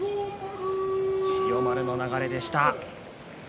千代丸の流れでした。